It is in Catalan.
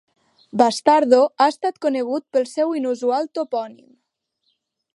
Bastardo ha estat conegut pel seu inusual topònim.